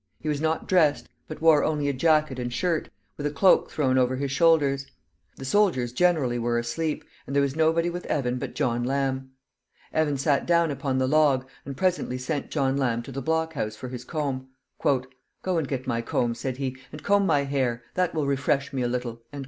He was not dressed, but wore only a jacket and shirt, with a cloak thrown over his shoulders. The soldiers generally were asleep, and there was nobody with Evan but John Lamb. Evan sat down upon the log, and presently sent John Lamb to the block house for his comb. "Go and get my comb," said he, "and comb my hair. That will refresh me a little."